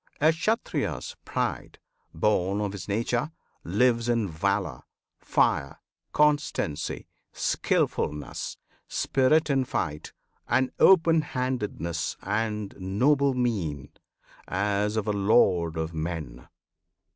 A Kshatriya's pride, Born of his nature, lives in valour, fire, Constancy, skilfulness, spirit in fight, And open handedness and noble mien, As of a lord of men.